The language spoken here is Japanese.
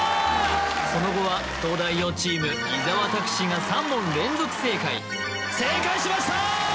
その後は東大王チーム・伊沢拓司が３問連続正解正解しましたー！